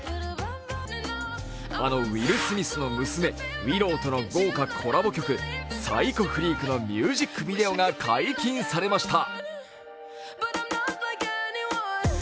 あのウィル・スミスの娘、ウィローとの豪華コラボ曲、「ｐｓｙｃｈｏｆｒｅａｋ」のミュージックビデオが解禁されました。